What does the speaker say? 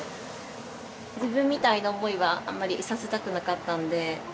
自分みたいな思いはあんまりさせたくなかったので。